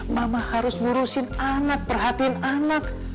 mama harus ngurusin anak perhatiin anak